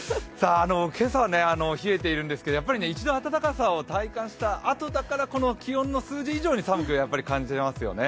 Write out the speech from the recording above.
今朝は冷えているんですけれども、一度暖かさを体感したあとだからこの気温の数字以上に寒く感じますよね。